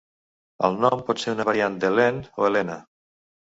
El nom pot ser una variant d'Elaine o Elena.